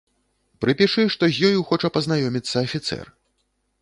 Прыпішы, што з ёю хоча пазнаёміцца афіцэр.